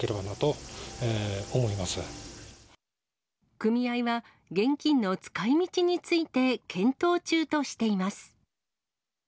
組合は現金の使い道について検討中としています。